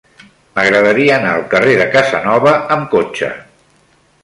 M'agradaria anar al carrer de Casanova amb cotxe.